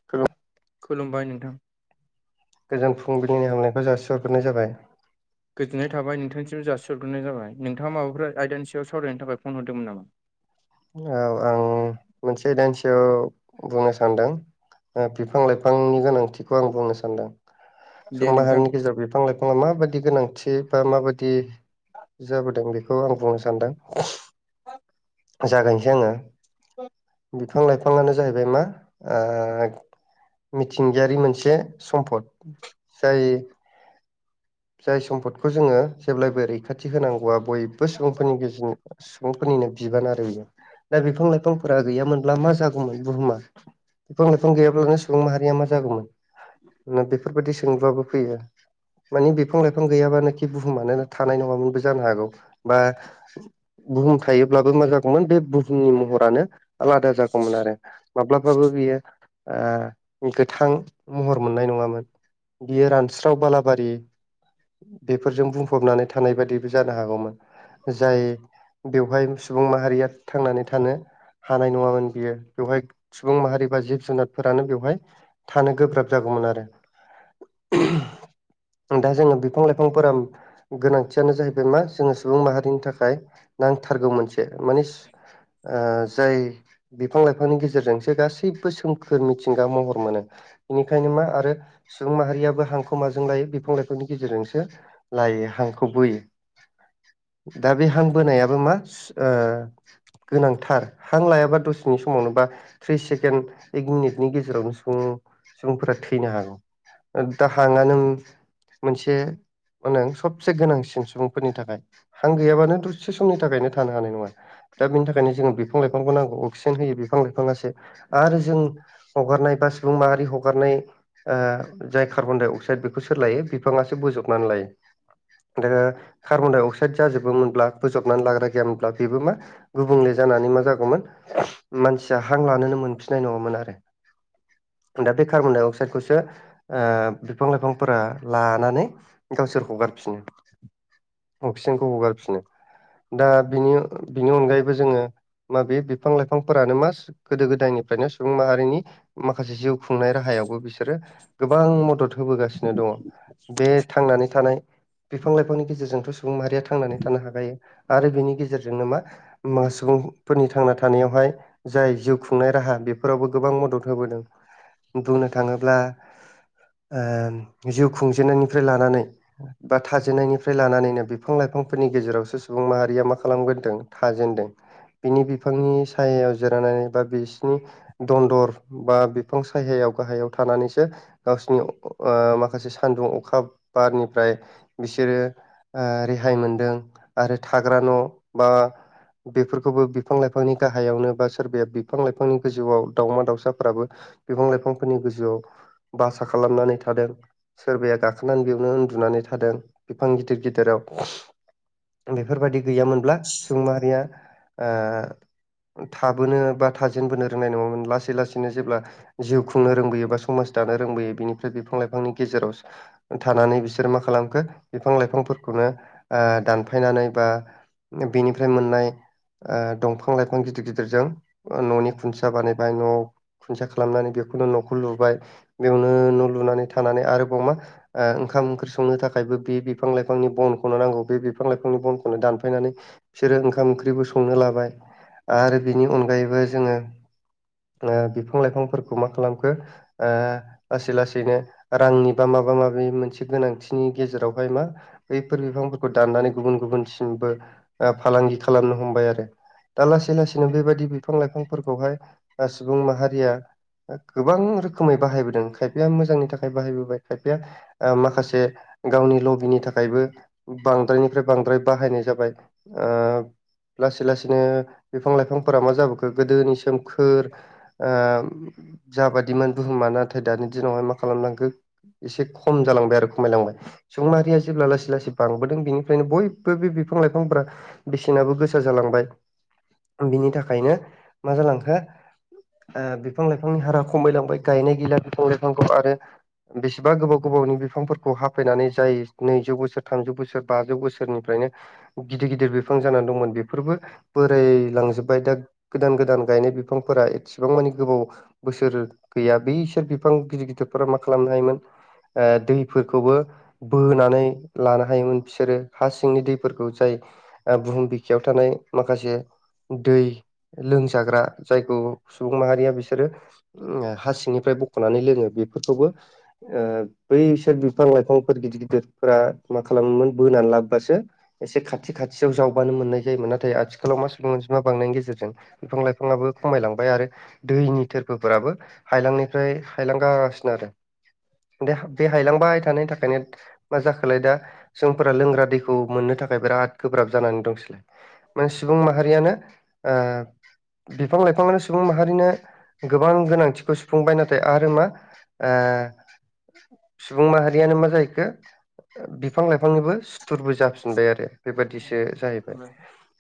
[unintelligible] खुलुमबाय नोंथां। गोजोन फुंबिलिनि हामलायनायखौ जासिहरग्रोनाय जाबाय। गोजोननाय थाबाय नोंथांनिसिम जासिहरग्रोनाय जाबाय नोंथाङा माबाफोर आयदानि सायाव सावरायनो थाखाय फन हरदोंमोन नामा? औ आं मोनसे दानसेयाव बुंनो सानदों। बिफां लाइफांनि गोनांथिखौ आं बुंनो सानदों दे सुबुं नोंथां माहारिनि गेजेराव बिफां लाइ फांआ माबायदि गोनांथि बा माबायदि जाबोदों बेखौ आं बुंनो सानदों। जागायनिसै आङो। [inaudible] बिफां लाइफाङानो जाहैबाय मा ओ मिथिंगायारि मोनसे सम्पद जाय जाय सम्पदखो जोङो जेब्लायबो रैखाथि होनांगौआ बयबो सुबुंफोरनि सुबुंफोरनिनो बिबान आरो बियो दा बिफां लाइफांफोरा गैयामोनब्ला मा जागौमोन बुहुमा? बिफां लाइफां गैयाब्लानो सुबुं माहारिया मा जागौमोन बेफोरबायदि सोंलुआबो फैयो। माने बिफां लाइफां गैयाबानोखि बुहुमानो थानाय नङामोनबो जानो हागौ बा बुहुम थायोब्लाबो मा जागौमोन बे बुहुमनि महरानो आलादा जागौमोन आरो। माब्लाबाबो बियो ओ गोथां महर मोननाय नङामोन। बियो रानस्राव बालाबारि बेफोरजों बुंफबनानै थानाय बादिबो जानो हागौमोन। जाय बेवहाय सुबुं माहारिया थांनानै थानो हानाय नङामोन बियो बेवहाय सुबुं माहारि बा जिब जुनारफोरानो बेवहाय थानो गोब्राब जागौमोन आरो। दा जोङो बिफां लाइफांफोरा गोनांथियानो जाहैबाय मा जोङो सुबुं माहारिनि थाखाय नांथारगौ मोनसे माने ओ जाय बिफां लाइफांनि गेजेरजोंसो गासैबो सोमखोर मिथिंगा महर मोनो। बेनिखायनो मा आरो सुबुं माहारियाबो हांखौ माजों लायो बेफोर फां लायफांनि गेजेरजोंसो लायो हांखौ बोयो। दा बे हांबोनायाबो मा सु ओ गोनांथार हां लायाबा दसेनि समावनोबा थ्रि सेकेण्ड एक मिनिटनि गेजेरावनो सुबुं सुबुंफोरा थैनो हागौ। दा हाङानो मोनसे मा नों सबसे गोनांसिन सुबुंफोरनि थाखाय हां गैयाबानो दरसे समनि थाखायनो थानो हानाय नङा। दा बिनि थाखायनो जोङो बिफां लाइफांखौ नांगौ अक्सिजेन होयो बिफां लाइफाङासो। आरो जों हगारनाय बा सुबुं माहारि हगारनाय ओ जाय कार्बन डाइ अक्साइड बेखौ सोर लायो? बिफाङासो बोजबनानै लायो। [unintelligible] कार्बन डाइ अक्साइड जाजोबोमोनब्ला बोजबनानै लाग्रा गैयामोनब्ला बेबो मा गुबुंले जानानै मा जागौमोन मानसिया हां लानोनो मोनफिननाय नङामोन आरो। दा बे कार्बन डाइ अक्साइडखौसो ओ बिफां लाइफांफोरा लानानै गावसोर हगारफिनो अक्सिजेनखौ हगारफिनो। दा बिनि बिनि अनगायैबो जोङो माबे बिफां लाइफांफोरानो मा सो गोदो गोदायनिफ्रायनो सुबुं माहारिनि माखासे जिउ खुंनाय राहायावबो बिसोरो गोबां मद'द होबोगासिनो दङ। [inaudible] बे थांनानै थानाय बिफां लाइफांनि गेजेरजोंथ' सुबुं माहारिया थांनानै थानो हाखायो। आरो बिनि गेजेरजोंनो मा मो सुबुंफोरनि थांना थानायावहाय जाय जिउ खुंनाय राहा बेफोरावबो गोबां मद'द होबोदों। बुंनो थाङोब्ला आ जिउ खुंजेननायनिफ्राय लानानै बा थाजेननायनिफ्राय लानानैनो बिफां लाइफांफोरनि गेजेरावसो सुबुं माहारिया मा खालामग्रोदों थाजेनदों। बिनि बिफांनि सायायाव जिरायनानै बा बिसिनि दन्दर बा बिफां सायहायाव गाहायाव थानानैसो गावसिनि अ' ओ मा खासे सान्दुं अखा बारनिफ्राय बिसोरो ओ रेहाय मोनदों। आरो थाग्रा न' बा बेफोरखौबो बिफां लाइफांनि गाहायावनो बा सोरबाया बिफां लाइफांनि गोजौआव दावमा दाउसाफोराबो बिफां लाइफांफोरनि गोजौआव बासा खालामनानै थादों। सोरबाया गाखोनानै बेयावनो उन्दुनानै थादों। बिफां गिदिर गिदिराव। बेफोरबायदि गैयामोनब्ला सुबुं माहारिया ओ ओ थाबोनो बा थाजेनबोनो रोंनाय नङामोन। लासै लासैनो जेब्ला जिउ खुंनो रोंबोयो बा समाज दानो रोंबोयो। बिनिफ्राय बिफां लाइफांनि गेजेराव ओ थानानै बिसोर मा खालामखो बिफां लाइफांफोरखौनो ओ दानफायनानै बा बेनिफ्राय मोननाय आ दंफां लाइफां गिदिर गिदिरजों ओ न'नि खुन्थिया बानायबाय न'। खुन्थिया खालामनानै बेखौनो न'खौ लुबाय, बेयावनो न' लुनानै थानानै, आरोबाव मा ओ ओंखाम ओंख्रि संनो थाखायबो बे बिफां लाइफांनि बनखौनो नांगौ। बे बिफां लाइफांनि बनखौनो दानफायनानै बिसोरो ओंखाम ओंख्रिबो संनो लाबाय आरो बिनि अनगायैबो जोङो। नो बिफां लाइफांफोरखौ मा खालामखो ओ लासै लासैनो रांनि बा माबा माबि मोनसे गोनांथिनि गेजेरावहाय मा बैफोर बिफांफोरखौ दाननानै गुबुन गुबुनसिमबो ओ फालांगि खालामनो हमबाय आरो। दा लासै लासैनो बेबायदि बिफां लाइफांफोरखौहाय ओ सुबुं माहारिया ओ गोबां रोखोमै बाहायबोदों, खायफाया मोजांनि थाखाय बाहायबोबाय खायफाया आ माखासे गावनि लबिनि थाखायबो बांद्रायनिफ्राय बांद्राय बाहायनाय जाबाय। ओ लासै लासैनो बिफां लाइफांफोरा मा जाबोखो गोदोनि सोमखोर ओ जाबादिमोन बुहुमा नाथाय दानि दिनावहाय मा खालामलांखो एसे खम जालांबाय आरो खमाय लांबाय। सुबुंमाहारिया जेब्ला लासै लासै बांबोदों, बिनिफ्रायनो बयबो बे बिफां लाइफांफोरा बिसिनाबो गोसा जालांबाय बिनि थाखायनो मा जालांखो ओ बिफां-लाइफांनि हारा खमायलांबाय गायनाय गैला बिफां-लाइफांखौ आरो बेसेबा गोबाव गोबावनि बिफांफोरखौ हाफायनानै जाय नैजौ बोसोर, थामजौ बोसोर, बाजौ बोसोरनिफ्रायनो गिदिर गिदिर बिफां जानानै दंमोन बेफोरबो बोराय लांजोब्बाय दा गोदान गोदान गायनाय बिफांफोरा एसेबां मानि गोबाव बोसोर गैया बै इसोर बिफां गिदिर गिदिरफोरा मा खालामनो हायोमोन दैफोरखौबो बोनानै लानो हायोमोन बिसोरो हा सिंनि दैफोरखौ जाय बुहुम बिखायाव थानाय माखासे दै लोंजाग्रा जायखौ सुबुं माहारिया बिसोरो ओम हासिंनिफ्राय बख'नानै लोङो बेफोरखौबो ओ बैसोर बिफां-लाइफांफोर गिदिर गिदिरफोरा मा खालामोमोन बोनानै लाबोब्लासो एसे खाथि खाथियाव जावबानो मोननाय जायोमोन नाथाय आथिखालाव मा सुबुं अनजिमा बांनायनि गेजेरजों बिफां-लाइफाङाबो खमायलांबाय आरो दैनि थोरफोफोराबो हायलांनायफ्राय हायलां गासिनो आरो दे बे हायलांबाय थानायनि थाखायनो मा जाखोलाय दा सुबुंफोरा लोंग्रा दैखौ मोननो थाखाय बिराद गोब्राब जानानै दंसैलाय माने सुबुं माहारियानो बिफां लाइफाङानो सुबुं माहारिनो गोबां गोनांथिखौ सुफुंबाय नाथाय आरो मा ओ सुबुं माहारियानो मा जाहैखो बिफां-लाइफांनिबो सुथुरबो जाफिनबाय आरो बेबायदिसो जाहैबाय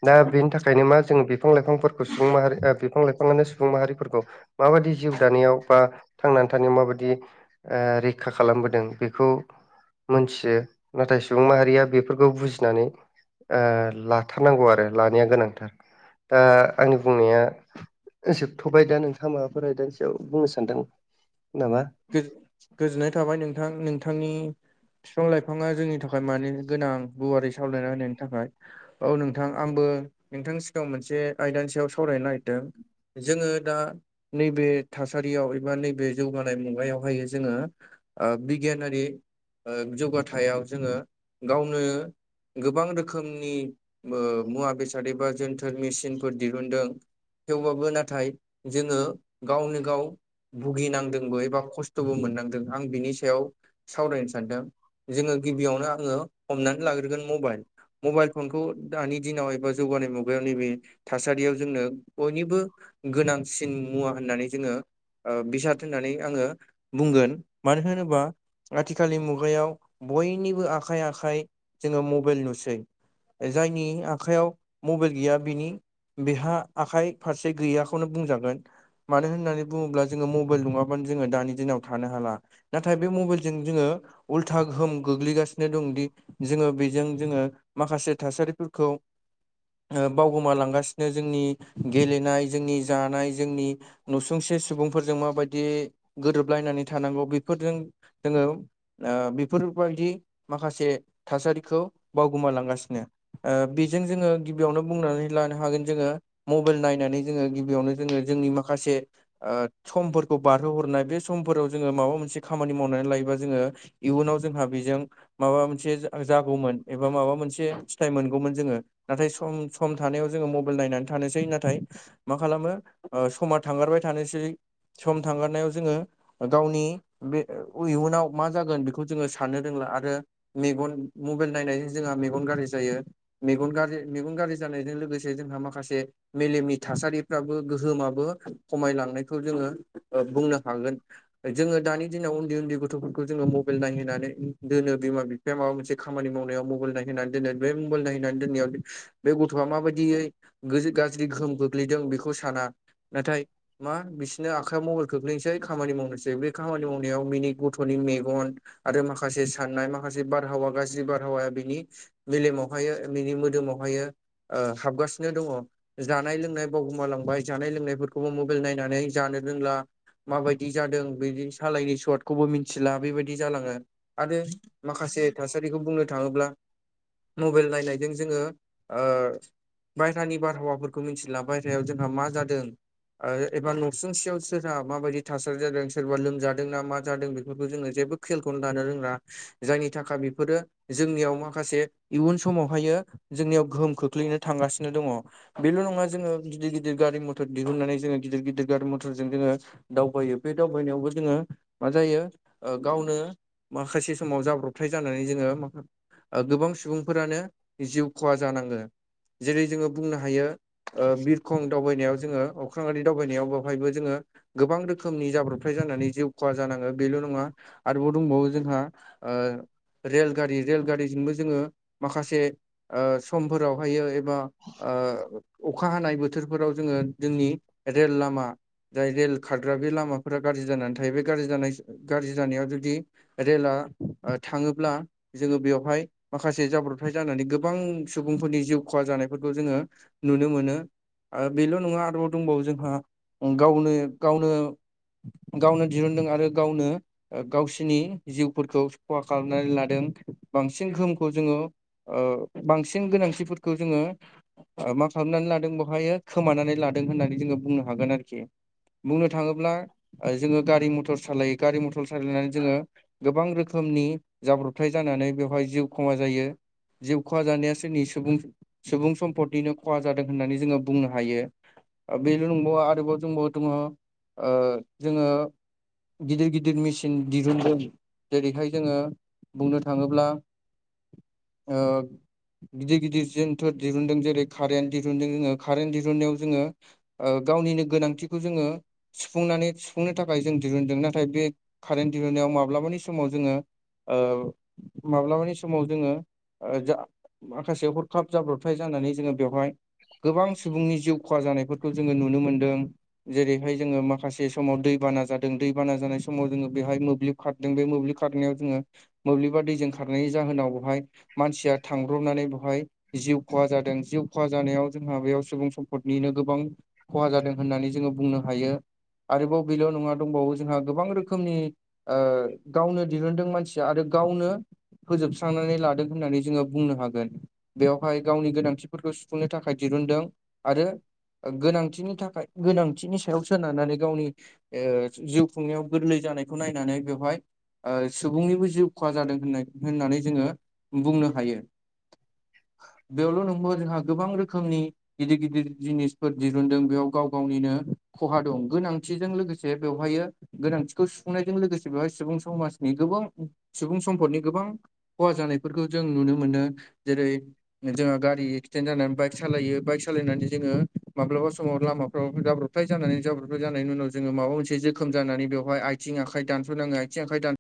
दा बेनि थाखायनो मा जोङो बिफां-लाइफांफोरखौ सुबुं माहारि ओ बिफां लाइफाङानो सुबुं माहारिफोरखौ माबादि जिउ दानायाव बा थांनानै थानो माबादि रैखा खालामबोदों बेखौ मोनथियो नाथाय सुबुं माहारिया बेफोरखौ बुजिनानै ओ लाथारनांगौ आरो लानाया गोनांथार ओ आंनि बुंनाया जोबथ'बाय दा नोंथाङा माबाफोर आयदानि सायाव बुंनो सानदों नामा गो गोजोननाय थाबाय नोंथां नोंथांनि फिफां-लाइफाङा जोंनि थाखाय मानि गोनां गुवारै सावरायना होनायनि थाखाय औ नोंथां आंबो नोंथांनि सिगाङाव मोनसे आयदानि सायाव सावरायनो नागिरदों जोङो दा नैबे थासा थासारियाव एबा नैबे जौगानाय मुगायावहायो जोङो बिगियानारि ओ जौगाथायाव जोङो गावनो गोबां रोखोमनि ओ मुवा बेसाद एबा जोनथोर मेसिनफोर दिहुनदों थेवबाबो नाथाय जोङो गावनो गाव भुगिनांदोंबो एबा खस्थ'बो मोननांदों आं बिनि सायाव सावरायनो सानदों जोङो गिबियावनो आङो हमनानै लाग्रोगोन मबाइल मबाइल फनखौ दानि दिनाव एबा जौगानाय मुगायाव नैबे थासारियाव जोंनो बयनिबो गोनांसिन मुवा होननानै जोङो ओ बिसाद होननानै आङो बुंगोन मानो होनोबा आथिखालनि मुगायाव बयनिबो आखाइ आखाइ जोङो मबाइल नुसै जायनि आखाइयाव मबाइल गैया बिनि बेहा आखाइ फारसे गैयाखौनो बुंजागोन मानो होननानै बुङोब्ला जोङो मबाइल नङाबानो जोङो दानि दिनाव थानो हाला नाथाय बे मबाइलजों जोङो उल्था गोहोम गोग्लैगासिनो दंदि जोङो बेजों जोङो माखासे थासारिफोरखौ ओ बावगोमालांगासिनो जोंनि गेलेनाय जोंनि जानाय जोंनि न सुंसे सुबुंफोरजों माबायदि गोरोबलायनानै थानांगौ बेफोरजों जोङो ओ बेफोरबायदि माखासे थासारिखौ बावगोमालांगासिनो बेजों जोङो गिबियावनो बुंनानै लानो हागोन जोङो मबाइल नायनानै जोङो गिबियावनो जोङो जोंनि माखासे ओ समफोरखौ बारहोहरनाय बे समफोराव जोङो माबा मोनसे खामानि मावनानै लायोबा जोङो इयुनाव जोंहा बेजों माबा मोनसे जागौमोन एबा माबा मोनसे फिथाइ मोनगौमोन जोङो नाथाय सम सम थानायाव जोङो मबाइल नायनानै थानोसै नाथाय मा खालामो समा थांगारबाय थानोसै सम थांगारनायाव जोङो गावनि बे इयुनाव मा जागोन बेखौ जोङो साननो रोंला आरो मेगन मबाइल नायनानै जोंहा मेगन गाज्रि जायो मेगन गाजरि मेगन गाज्रि जानायजों लोगोसे जोंहा माखासे मेलेमनि थासारिफ्राबो गोहोमाबो खमायलांनायखौ जोङो ओ बुंनो हागोन जोङो दानि दिनाव उन्दै उन्दै गथ'फोरखौ जोङो मबाइल नायहैनानै दोनो बिमा बि बे माबा मोनसे खामानि मावनायाव मबाइल नायहै दोनो बे मबाइल नायहैनानै दोननायाव बे गथ'आ माबायदियै गाज्रि गोहोम खोम गोग्लैदों बेखौ साना नाथाय मा बिसिनो आखाइ मबाइल खोख्लैनोसै खामानि मावनोसै बे खामानि मावनायाव बिनि गथ'नि मेगन आरो माखासे साननाय माखासे बारहावा गाज्रि बारहावाया बिनि मेलेमावहायो बिनि मोदोमावहायो ओ हाबगासिनो दङ' जानाय लोंनाय बावगुमालांबाय जानाय लोंनायफोर [unintelligible] मबाइल नायनानै जानो रोंला माबायदि जादों बिदि सालायनि सटखौबो मिथिला बेबायदि जालाङो आरो माखासे थासारिखौ बुंनो थाङोब्ला मबाइल नायनायजों जोङो ओ बायहानि बारहावाफोरखौ मिथिला बायहेरायाव जोंहा मा जादों आरो एबा न'सुंसेयाव सोरहा माबायदि थासारि जादों सोरबा लोमजादोंना मा जादों बेफोरखौ जोङो जेबो खेलखौनो दानो रोङा जायनि थाखाय बेफोरो जोंनियाव माखासे इयुन समावहायो जोंनियाव गोहोम खोख्लैनो थांगासिनो दङ' बेल' नङा जोङो गिदिर गिदिर गारि मथर दिहुननानै जोङो गिदिर गिदिर गारि मथरजों जोङो दावबायो बे दावबायनायावबो जोङो मा जायो ओ गावनो माखासे समाव जाब्रबथाय जानानै जोङो माख ओ गोबां सुबुंफोरानो जिउ खहा जानाङो जेरै जोङो बुंनो हायो ओ बिरखं दावबायनायाव जोङो अख्रांआरि दावबायनायाव बेवहायबो जोङो गोबां रोखोमनि जाब्रबथाय जानानै जिउ खहा जानाङो बेल' नङा आरोबाव दंबावो जोंहा ओ रेलगारि रेलगारिजोंबो जोङो माखासे ओ समफोरावहायो बा ओ अखा हानाय बोथोरफोराव जोङो जोंनि रेल लामा जाय रेल खारग्रा बे लामाफोरा गाज्रि जानानै थायो बे गाज्रि जानाय गाज्रि जानायाव जुदि रेला थाङोब्ला जोङो बेवहाय माखासे जाब्रबथाय जानानै गोबां सुबुंफोरनि जिउ खहा जानायफोरखौ जोङो नुनो मोनो बेल' नङा आरोबाव दंबावो जोंहा गावनो गावनो गावनो दिहुनदों आरो गावनो ओ गावसोरनि जिउफोरखौ खहा खालामनानै लादों बांसिन गोहोमखौ जोङो ओ बांसिन गोनांथिफोरखौ जोङो ओ मा खालामनानै लादों बहायो खोमानानै लादों नानै होननानै जोङो बुंनो हागोन आरोखि बुंनो थाङोब्ला ओ जोङो गारि मटर सालायो गारि मथर सालायनानै जोङो गोबां रोखोमनि जाब्रबथाय जानानै बेवहाय जिउ खहा जायो जिउ खहा जानाया सोरनि सुबुं सुबुं समपटनिनो खहा जादों होननानै जोङो बुंनो हायो बेल' नंबावा आरोबाव जोंबाव दङ' ओ जोङो गिदिर गिदिर मेसिन दिहुनदों जेरैहाय जोङो बुंनो थाङोब्ला ओ गिदिर गिदिर जोनथोर दिहुनदों जेरै कारेन्ट दिहुनदों जोङो कारेन्ट दिहुननायाव जोङो ओ गावनिनो गोनांथिखौ जोङो सुफुंनानै सुफुंनो थाखाय जों दिरुनदों नाथाय बे कारेन्ट दिरहुननायाव माब्लाबानि समाव जोङो माब्लाबानि समाव जोङो जा माखासे हरखाब जाब्रबथाय जानानै जोङो बेवहाय गोबां सुबुंनि जिउ खहा जानायफोरखौ जोङो नुनो मोन्दों जेरैहाय जोङो माखासे समाव दैबाना जादों दैबाना जानाय समाव जोङो बेवहाय मोब्लिब खारदों बे मोब्लिब खारनायाव जोङो मोब्लिबा दैजों खारनायनि जाहोनावहाय मानसिया थांब्रबनानै बेहाय जिउ खहा जादों जिउ खहा जानायाव जोंहा बेयाव सुबुं सम टनिनो गोबां खहा जादों होननानै जोङो बुंनो हायो। आरोबाव बेल' नङा दंबावो जोंहा गोबां रोखोमनि गावनो दिहुनदों मानसिया आरो गावनो फोजोबस्रांनानै लादों होननानै जोङो बुंनो हागोन। बेवहाय गावनि गोनांथिफोरखौ सुफुंनो थाखाय दिहुनदों आरो गोनांथिनि थाखाय गोनांथिनि सायाव सोनारनानै गावनि जिउ खुंनायाव गोरलै जानायखौ नायनानै बेवहाय सुबुंनिबो जिउ खहा जादों होननाय होननानै जोङो बुंनो हायो बेयावल' नंबौ जोंहा गोबां रोखोमनि गिदिर गिदिर जिनिसफोर दिरुनदों बेयाव गाव गावनिनो खहा दं गोनांथिजों लोगोसे बेवहायो गोनांथिखौ सुफुंनायजों लोगोसे बेवहाय सुबुं समाजनि गोबां सुबुं सम्पदनि गोबां खहा जानायफोरखौ जों नुनो मोनो जेरै जोंहा गारि एक्सिडेन्ट जानानै बाइक सालायो बाइक सालायनानै जोङो माब्लाबा समाव लामाफ्राव जाब्रबथाय जानानै जाब्रबथाय जानायनि उनाव जोङो माबा मोनसे जोखोम जानानै बेवहाय आथिं आखाइ दानस'नाङो आथिं आखाइ दान